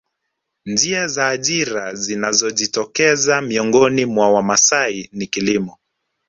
Njia za ajira zinazojitokeza miongoni mwa Wamasai ni kilimo